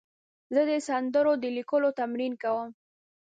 زه د سندرو د لیکلو تمرین کوم.